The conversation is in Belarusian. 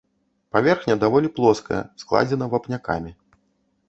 Паверхня даволі плоская, складзена вапнякамі.